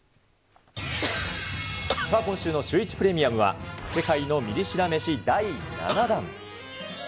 今週のシューイチプレミアムは、世界のミリ知ら飯第７弾。